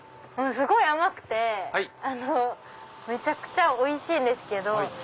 すごい甘くてめちゃくちゃおいしいんですけど。